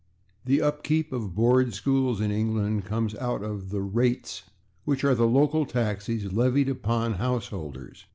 The upkeep of board schools in England comes out of the /rates/, which are local taxes levied upon householders.